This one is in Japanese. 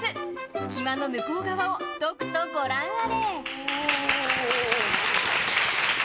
暇の向こう側をとくとご覧あれ。